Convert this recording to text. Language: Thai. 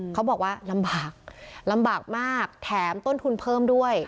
เขาบอกว่าลำบากลำบากมากแถมต้นทุนเพิ่มด้วย